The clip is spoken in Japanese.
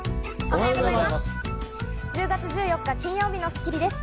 おはようございます。